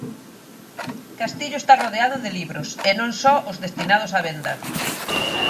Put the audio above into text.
Castillo está rodeado de libros e non só os destinados á venda.